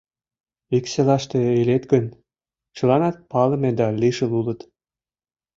Ик селаште илет гын, чыланат палыме да лишыл улыт.